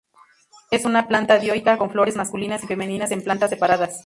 Es una planta dioica, con flores masculinas y femeninas en plantas separadas.